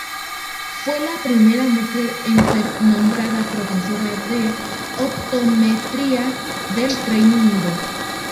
Fue la primera mujer en ser nombrada Profesora de Optometría del Reino Unido.